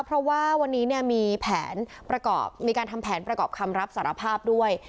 เพราะว่าวันนี้เนี่ยมีแผนประกอบมีการทำแผนประกอบคำรับสารภาพด้วย